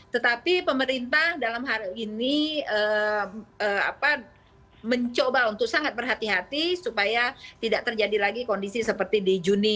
tetapi pemerintah dalam hal ini mencoba untuk sangat berhati hati supaya tidak terjadi lagi kondisi seperti di juni